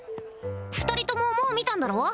二人とももう見たんだろ？